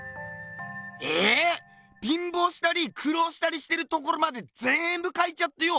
ええ⁉びんぼうしたりくろうしたりしてるところまでぜんぶ描いちゃってよ